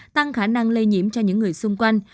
tăng khả năng lây nhiễm cho những người xung quanh